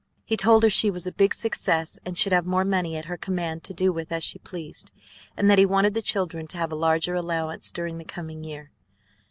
He told her she was a big success, and should have more money at her command to do with as she pleased, and that he wanted the children to have a larger allowance during the coming year.